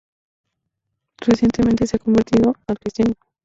Recientemente se han convertido al cristianismo.